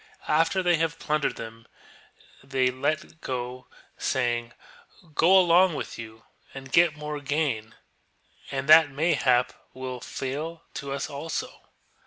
After they have plundered them they let them go, saying :" Go along with you and get more gain, and that mayhap will fall to us also